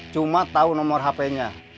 cuma tahu nomor hp nya